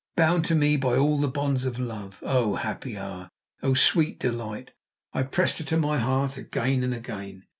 bound to me by all the bonds of love. Oh, happy hour! Oh, sweet delight! I pressed her to my heart again and again.